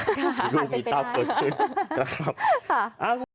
ค่ะอาจเป็นไปได้มีรูปมีเต้าเกิดขึ้นนะครับค่ะอ่า